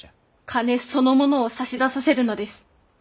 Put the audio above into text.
金そのものを差し出させるのです。